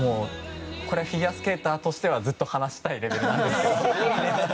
フィギュアスケーターとしてはずっと話したいですけど。